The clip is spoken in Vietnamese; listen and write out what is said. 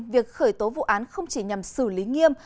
việc khởi tố vụ án không chỉ nhằm xử lý nghiêm